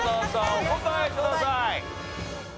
お答えください。